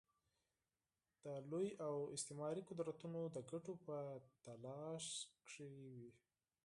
د لوی او استعماري قدرتونه د ګټو په تلاښ کې وي.